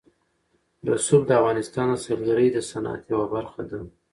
رسوب د افغانستان د سیلګرۍ د صنعت یوه برخه ده.